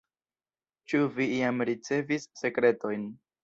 Ĉu vi jam ricevis sekretojn?